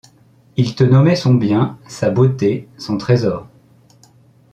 Il te nommait son bien, sa beauté, son trésor.